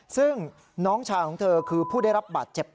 ซึ่งน้องชายของเธอคือผู้ได้รับบาดเจ็บ